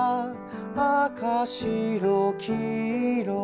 「あかしろきいろ」